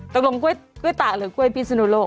กล้วยตากหรือกล้วยพิศนุโลก